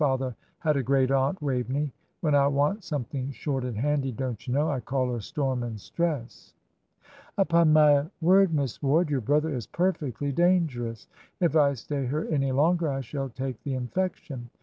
Father had a great aunt Waveney. When I want something short and handy, don't you know, I call her Storm and stress." "Upon my word, Miss Ward, your brother is perfectly dangerous. If I stay here any longer I shall take the infection.